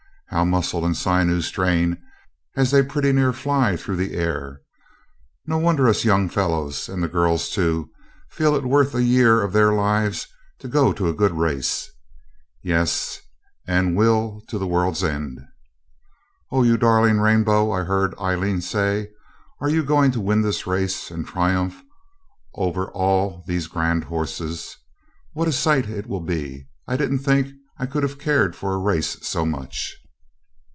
How muscle and sinew strain as they pretty near fly through the air! No wonder us young fellows, and the girls too, feel it's worth a year of their lives to go to a good race. Yes, and will to the world's end. 'O you darling Rainbow!' I heard Aileen say. 'Are you going to win this race and triumph over all these grand horses? What a sight it will be! I didn't think I could have cared for a race so much.'